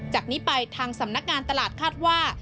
จากนี้ไปทางสำนักงานตลาดคาดว่า